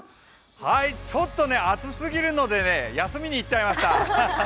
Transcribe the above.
ちょっと暑すぎるので休みにいっちゃいました。